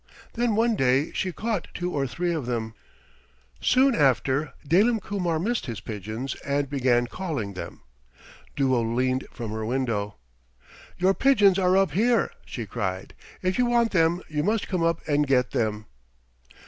Then one day she caught two or three of them. Soon after Dalim Kumar missed his pigeons and began calling them. Duo leaned from her window. "Your pigeons are up here," she cried. "If you want them you must come up and get them."